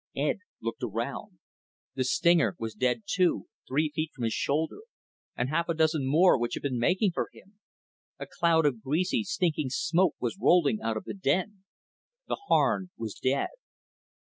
Ed looked around. The stinger was dead too, three feet from his shoulder, and half a dozen more which had been making for him. A cloud of greasy, stinking smoke was rolling out of the den. The Harn was dead.